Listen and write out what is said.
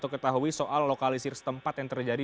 ketahui soal lokalisir setempat yang terjadi